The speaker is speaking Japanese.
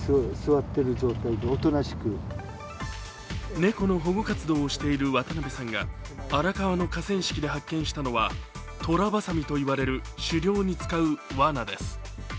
猫の保護活動をしている渡邉さんが荒川の河川敷で発見したのはトラバサミといわれる狩猟に使うわなです。